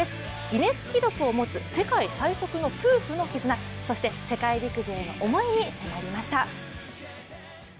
ギネス記録を持つ世界最速の夫婦の絆、そして世界陸上への思いに迫りました。